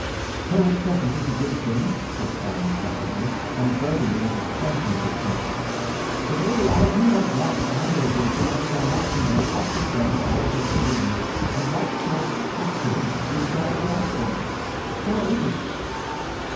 "Cold pheasant is a good thing," said Syme reflectively, "and Burgundy is a spanking good thing. But really I do not want either of them so much as I want to know what the devil all this means, and what sort of costume you have got laid out for me. Where is it?"